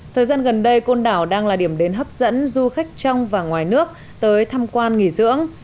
thời gian gần đây côn đảo đang là điểm đến hấp dẫn du khách trong và ngoài nước tới tham quan nghỉ dưỡng